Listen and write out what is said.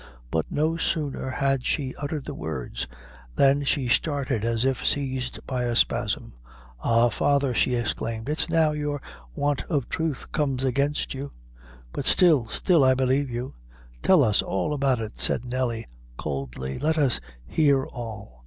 But no sooner had she uttered the words than she started as if seized by a spasm. "Ah, father," she exclaimed, "it's now your want of truth comes against you; but still, still I believe you." "Tell us all about it," said Nelly, coldly; "let us hear all."